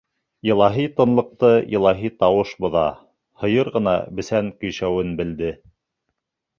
Илаһи тынлыҡты илаһи тауыш боҙа. һыйыр ғына бесән көйшәүен белде.